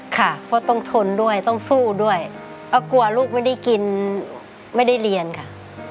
ค่ะเพราะต้องทนด้วยต้องสู้ด้วยเพราะกลัวลูกไม่ได้กินไม่ได้เรียนค่ะ